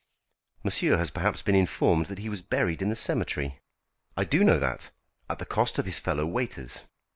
"Monsieur has perhaps been informed that he was buried in the cemetery?" "I do know that, at the cost of his fellow waiters."